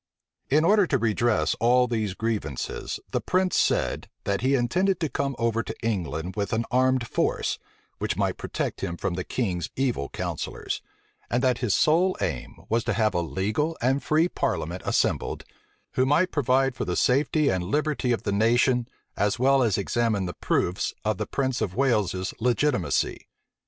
In order to redress all these grievances, the prince said, that he intended to come over to England with an armed force, which might protect him from the king's evil counsellors; and that his sole aim was to have a legal and free parliament assembled, who might provide for the safety and liberty of the nation, as well as examine the proofs of the prince of Wales's legitimacy.